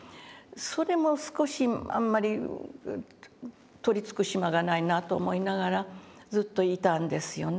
それも少しあんまり取りつく島がないなと思いながらずっといたんですよね。